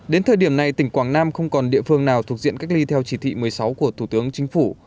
đến thời điểm này tỉnh quảng nam không còn địa phương nào thuộc diện cách ly theo chỉ thị một mươi sáu của thủ tướng chính phủ